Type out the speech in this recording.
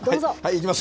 いきます。